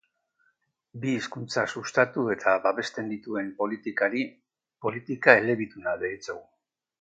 Bi hizkuntza sustatu eta babesten dituen politikari politika elebiduna deritzogu.